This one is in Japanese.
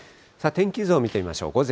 天気図を見てみましょう。